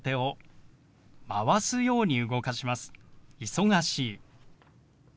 「忙しい」。